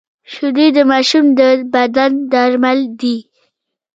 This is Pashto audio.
شیدې د ماشوم د بدن درمل دي